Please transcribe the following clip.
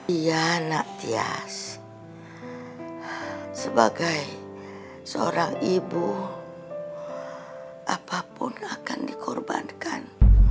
iya nak tias sebagai seorang ibu apapun akan dikorbankan